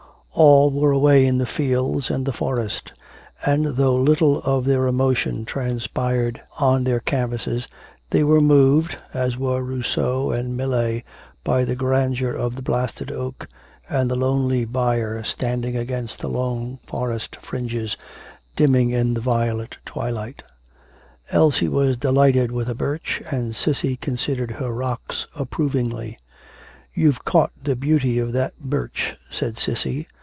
All were away in the fields and the forest; and, though little of their emotion transpired on their canvases, they were moved, as were Rousseau and Millet, by the grandeur of the blasted oak and the lonely byre standing against the long forest fringes, dimming in the violet twilight. Elsie was delighted with her birch, and Cissy considered her rocks approvingly. 'You've caught the beauty of that birch,' said Cissy.